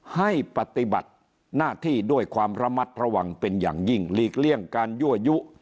ให้ปฏิบัติหน้าที่ด้วยความระมัดระวังเป็นอย่างยิ่งหลีกเลี่ยงการยั่วยุ